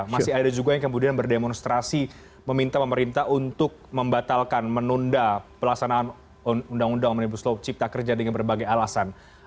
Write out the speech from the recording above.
masih ada juga yang kemudian berdemonstrasi meminta pemerintah untuk membatalkan menunda pelaksanaan undang undang omnibus law cipta kerja dengan berbagai alasan